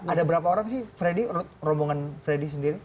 ada berapa orang sih freddy rombongan freddy sendiri